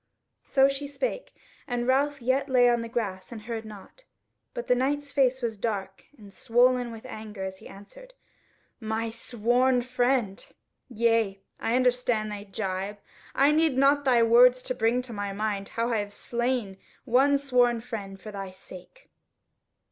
So she spake, and Ralph yet lay on the grass and heard nought. But the Knight's face was dark and swollen with anger as he answered: "My sworn friend! yea, I understand thy gibe. I need not thy words to bring to my mind how I have slain one sworn friend for thy sake."